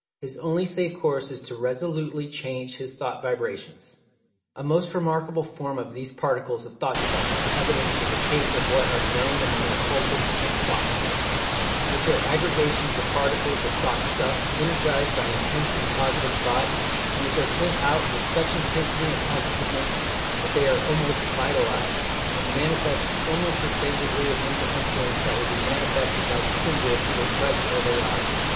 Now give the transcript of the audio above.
His only safe course is to resolutely change his thought vibrations. A most remarkable form of these particles of Thought stuff is evidenced in the case of what are known among occultists as "Thought [Pg 227]forms," which are aggregations of Particles of Thought stuff energized by intense and positive thought, and which are sent out with such intensity and positiveness, that they are almost "vitalized," and manifest almost the same degree of mental influence that would be manifested by the sender if he were present where they are.